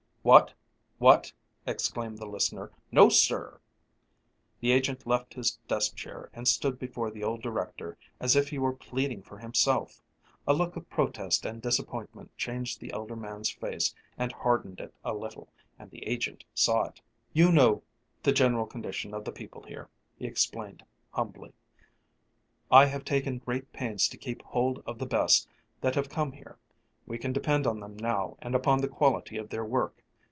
"What, what!" exclaimed the listener. "No, sir!" The agent left his desk chair and stood before the old director as if he were pleading for himself. A look of protest and disappointment changed the elder man's face and hardened it a little, and the agent saw it. "You know the general condition of the people here," he explained humbly. "I have taken great pains to keep hold of the best that have come here; we can depend upon them now and upon the quality of their work.